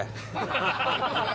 ハハハハ！